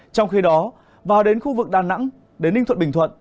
trong khi đó vào đến khu vực đà nẵng đến ninh thuận bình thuận